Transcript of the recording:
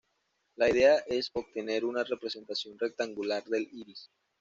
La idea es obtener una representación rectangular del iris.